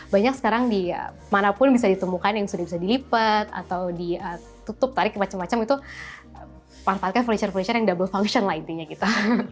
banyak sekarang dimanapun bisa ditemukan yang sudah bisa dilipat atau ditutup tarik macam macam itu manfaatkan furniture furniture yang double function lah intinya gitu